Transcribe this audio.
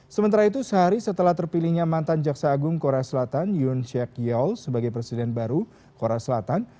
sementara itu sehari setelah terpilihnya mantan jaksa agung korea selatan yun sek yeol sebagai presiden baru korea selatan